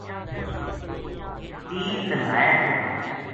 تیر لنگھا ئے تھو